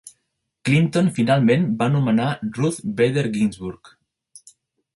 Clinton finalment va nomenar Ruth Bader Ginsburg.